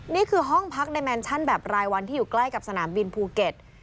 นี่คือห้องพักในแมนชั่นแบบรายวันที่อยู่ใกล้กับสนามบินภูเก็ต